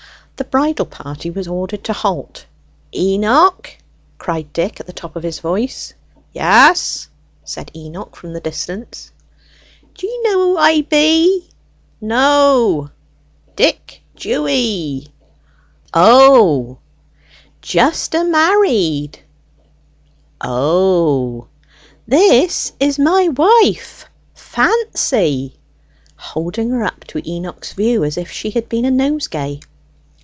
The bridal party was ordered to halt. "Eno o o o ch!" cried Dick at the top of his voice. "Y a a a a a as!" said Enoch from the distance. "D'ye know who I be e e e e e?" "No o o o o o o!" "Dick Dew w w w wy!" "O h h h h h!" "Just a ma a a a a arried!" "O h h h h h!" "This is my wife, Fa a a a a ancy!" (holding her up to Enoch's view as if she had been a nosegay.)